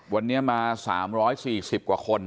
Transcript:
วันนี้มา๓๔๐กว่าคน